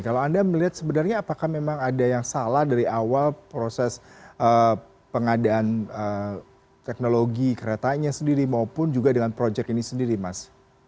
kalau anda melihat sebenarnya apakah memang ada yang salah dari awal proses pengadaan teknologi keretanya sendiri maupun juga dengan proyek ini sendiri mas